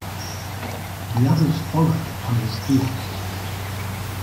The others followed upon his heels.